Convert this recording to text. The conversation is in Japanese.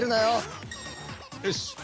よし。